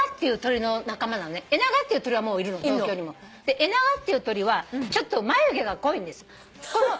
エナガっていう鳥はちょっと眉毛が濃いんです。